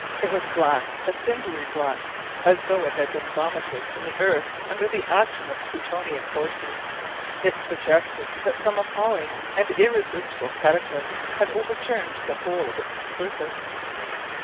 It was black, a cindery black, as though it had been vomited from the earth under the action of Plutonian forces; it suggested that some appalling and irresistible cataclysm had overturned the whole of its surface.